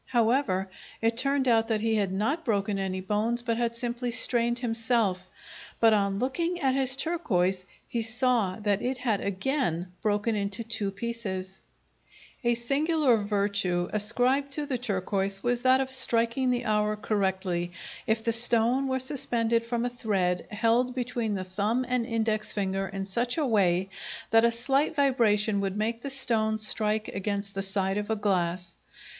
However, it turned out that he had not broken any bones but had simply strained himself; but, on looking at his turquoise, he saw that it had again broken into two pieces. [Illustration: TURQUOISE NECKLACE, THIBET. Field Museum, Chicago.] A singular virtue ascribed to the turquoise was that of striking the hour correctly, if the stone were suspended from a thread held between the thumb and index finger in such a way that a slight vibration would make the stone strike against the side of a glass.